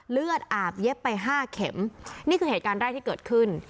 เลือดอาบเย็บไปห้าเข็มนี่คือเหตุการณ์แรกที่เกิดขึ้น